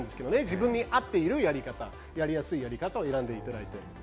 自分に合っているやり方、やりやすいやり方を選んでいただければと思います。